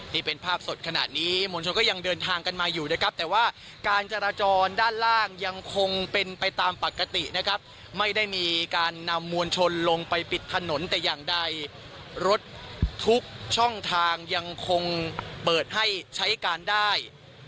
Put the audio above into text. นี่เป็นภาพสดขนาดนี้มวลชนก็ยังเดินทางกันมาอยู่นะครับแต่ว่าการจราจรด้านล่างยังคงเป็นไปตามปกตินะครับไม่ได้มีการนำมวลชนลงไปปิดถนนแต่อย่างใดรถทุกช่องทางยังคงเปิดให้ใช้การได้